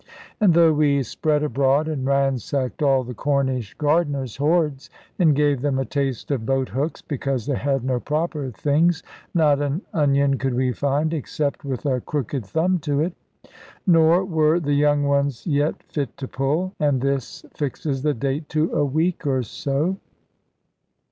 And though we spread abroad and ransacked all the Cornish gardeners' hoards, and gave them a taste of boat hooks, because they had no proper things, not an onion could we find, except with a crooked thumb to it. Nor were the young ones yet fit to pull; and this fixes the date to a week or so.